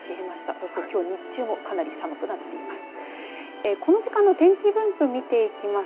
そして、きょう日中もかなり寒くなっています。